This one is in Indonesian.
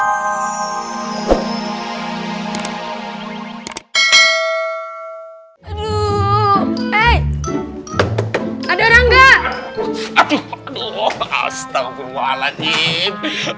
aduh eh ada orang enggak aduh astagfirullahaladzim